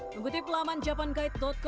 mengutip laman jenis